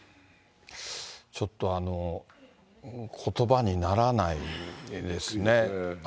ちょっとあの、ことばにならないですね。